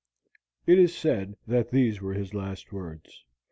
It is said that these were his last words.